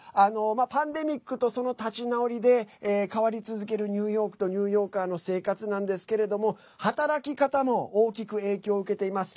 パンデミックとその立ち直りで変わり続けるニューヨークとニューヨーカーの生活なんですけれども働き方も大きく影響を受けています。